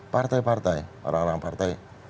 partai partai orang orang partai